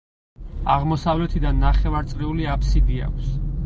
აღმოსავლეთიდან ნახევარწრიული აფსიდი აქვს.